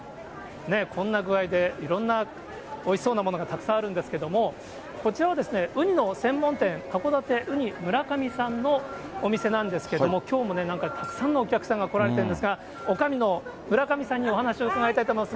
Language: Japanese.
こんな具合でいろんなおいしそうなものがたくさんあるんですけれども、こちらはウニの専門店、函館うにむらかみさんのお店なんですけれども、きょうもなんかたくさんのお客さんが来られているんですが、おかみの村上さんにお話を伺いたいと思います。